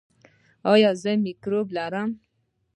ایا زه مکروب لرم؟